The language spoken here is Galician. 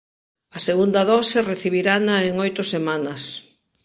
A segunda dose recibirana en oito semanas.